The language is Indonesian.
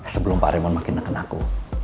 sebelum pak raymond makin neken aku